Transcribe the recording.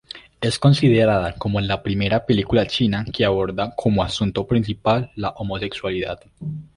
Es considerada como la primera película china que aborda como asunto principal la homosexualidad.